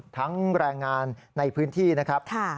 แรงงานในพื้นที่นะครับ